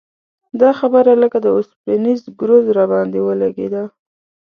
دا خبره لکه د اوسپنیز ګرز راباندې ولګېده.